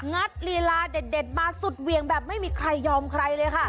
ลีลาเด็ดมาสุดเหวี่ยงแบบไม่มีใครยอมใครเลยค่ะ